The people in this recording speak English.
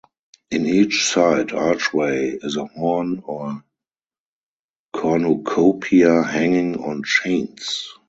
In each side archway is a horn or cornucopia hanging on chains.